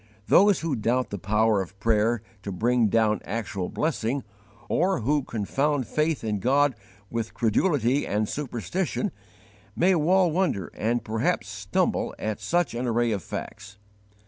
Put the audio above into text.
Those who doubt the power of prayer to bring down actual blessing, or who confound faith in God with credulity and superstition, may well wonder and perhaps stumble at such an array of facts.